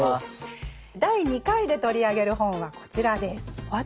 第２回で取り上げる本はこちらです。